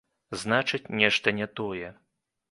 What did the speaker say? Значыць, нешта не тое.